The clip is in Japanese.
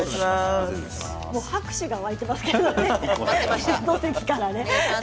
拍手が沸いていますけれどもゲスト席から。